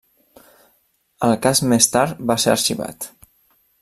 El cas més tard va ser arxivat.